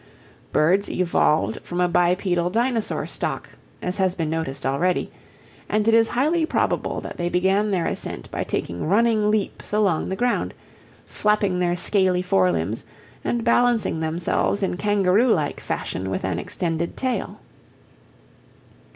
Birds evolved from a bipedal Dinosaur stock, as has been noticed already, and it is highly probable that they began their ascent by taking running leaps along the ground, flapping their scaly fore limbs, and balancing themselves in kangaroo like fashion with an extended tail.